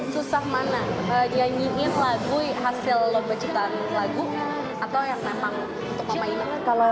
susah mana nyanyiin lagu hasil lobecikan lagu atau yang memang untuk mama ina